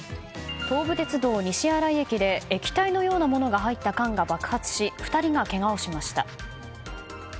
東武鉄道西新井駅で液体のようなものが入った缶が爆発し２人がけがをしました。